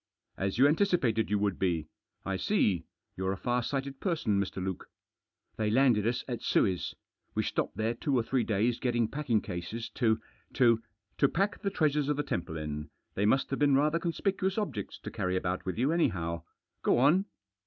" As you anticipated you would be. I see. You're a far sighted person, Mr. Luke." " They landed us at Suez. We stopped there two or three days getting packing cases to — to " Digitized by Google 296 THE JOSS, "To pack the treasures of the temple in. They must have been rather conspicuous objects to carry about with you anyhow. Go on."